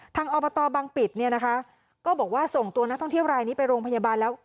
อบตบังปิดเนี่ยนะคะก็บอกว่าส่งตัวนักท่องเที่ยวรายนี้ไปโรงพยาบาลแล้ว